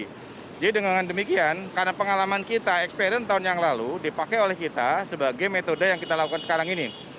jadi dengan demikian karena pengalaman kita experience tahun yang lalu dipakai oleh kita sebagai metode yang kita lakukan sekarang ini